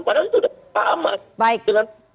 padahal itu udah sama dengan ph